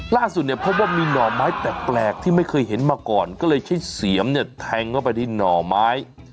ล่าสุดเนี่ยพบว่ามีหน่อไม้แปลกที่ไม่เคยเห็นมาก่อนก็เลยใช้เสียมเนี่ยแทงเข้าไปที่หน่อไม้